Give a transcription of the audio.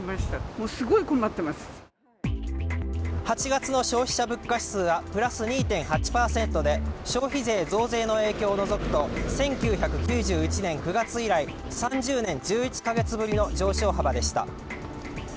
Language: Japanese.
８月の消費者物価指数はプラス２．８％で消費税増税の影響を除くと１９９１年９月以来３０年１１か月ぶりの上昇幅でした。